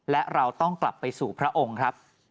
และเราต้องกลับไปสู่พระองค์ครับ